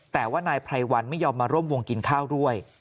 แต่ว่านายไพรวัลไม่ยอมมาร่วมวงกินข้าวด้วย